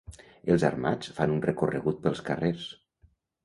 Els armats fan un recorregut pels carrers.